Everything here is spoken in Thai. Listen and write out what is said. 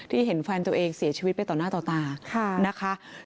เห็นแฟนตัวเองเสียชีวิตไปต่อหน้าต่อตานะคะ